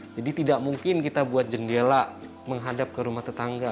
jadi tidak mungkin kita buat jendela menghadap ke rumah tetangga